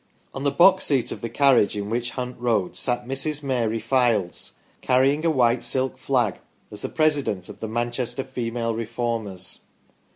On the box seat of the carriage in which Hunt rode sat Mrs. Mary Fildes, carrying a white silk flag as the president of the " Man chester Female Reformers